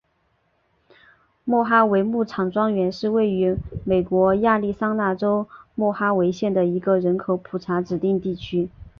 莫哈维牧场庄园是位于美国亚利桑那州莫哈维县的一个人口普查指定地区。